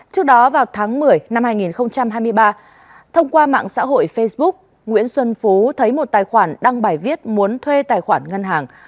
trước đó vào tháng một mươi năm hai nghìn hai mươi ba thông qua mạng xã hội facebook nguyễn xuân phú thấy một tài khoản đăng bài viết muốn thuê tài khoản ngân hàng